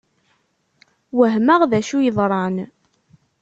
Wehmeɣ d acu yeḍran.